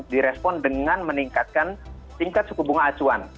direspon dengan meningkatkan tingkat suku bunga acuan